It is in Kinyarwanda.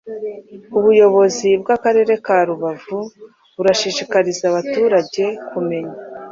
Ubuyobozi bw’akarere ka Rubavu burashishikariza abaturage kumenya